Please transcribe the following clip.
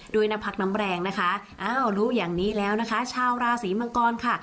ด้วยน้ำพักน้ำแรงนะคะอ้าวรู้อย่างนี้แล้วนะคะชาวราศีมังกรค่ะ